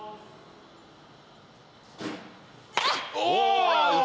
お！